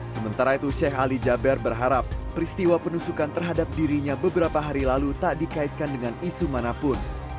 sementara itu sheikh ali jaber berharap peristiwa penusukan terhadap dirinya beberapa hari lalu tak dikaitkan dengan isu manapun